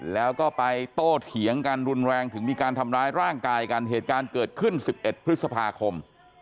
แล้วก็ไปโตเถียงกันรุนแรงถึงมีการทำร้ายร่างกายกันเหตุการณ์เกิดขึ้น๑๑พฤษภาคม